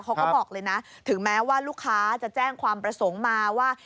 เขาบอกเลยนะถึงแม้ว่าลูกค้าจะแจ้งความประสงค์มาว่า